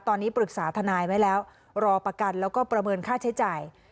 ตอนนี้ปรึกษาทนายไว้แล้วรอประกันแล้วก็ประเมินค่าใช้จ่าย